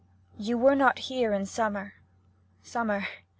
You were not here in summer. Summer